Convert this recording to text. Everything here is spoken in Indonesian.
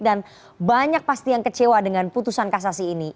dan banyak pasti yang kecewa dengan putusan kasasi ini